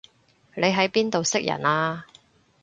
你喺邊度識人啊